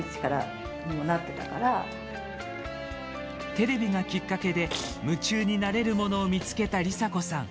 テレビがきっかけで夢中になれるものを見つけた理紗子さん。